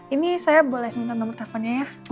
ini saya boleh minta nomor teleponnya ya